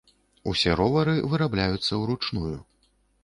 Усе ровары вырабляюцца ўручную.